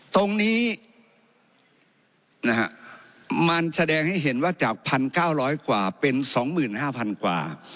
ตรงนี้มันแสดงให้เห็นว่าจาก๑๙๐๐กว่าเป็น๒๕๐๐๐กว่า